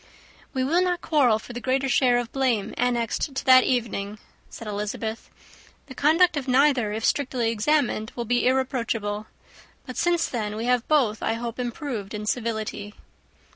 "We will not quarrel for the greater share of blame annexed to that evening," said Elizabeth. "The conduct of neither, if strictly examined, will be irreproachable; but since then we have both, I hope, improved in civility."